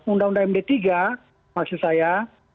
undang undang md tiga maksud saya